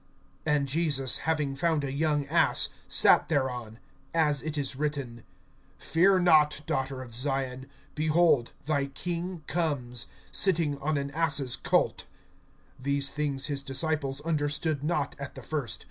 (14)And Jesus, having found a young ass, sat thereon; as it is written: (15)Fear not, daughter of Zion; Behold, thy King comes, Sitting on an ass's colt. (16)These things his disciples understood not at the first.